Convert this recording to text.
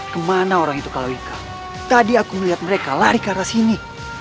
kemana orang itu kalau ika tadi aku melihat mereka lari ke arah sini